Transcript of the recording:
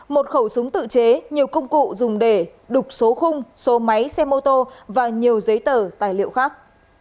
một khẩu súng tự chế nhiều công cụ dùng để đục số khung số máy xe mô tô và nhiều giấy tờ tài liệu khác